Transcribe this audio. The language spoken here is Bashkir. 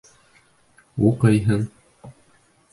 Уҡыйһың.